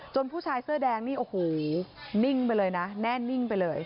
ผู้ชายเสื้อแดงนี่โอ้โหนิ่งไปเลยนะแน่นิ่งไปเลย